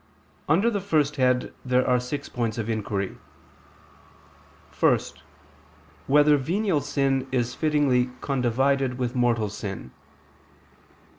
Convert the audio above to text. Under the first head there are six points of inquiry: (1) Whether venial sin is fittingly condivided with mortal sin?